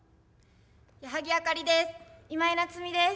矢作あかりです。